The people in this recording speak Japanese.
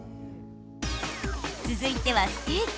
続いてはステーキ。